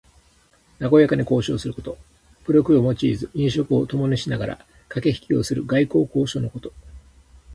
なごやかに交渉すること。武力を用いず飲食をともにしながらかけひきをする外交交渉のこと。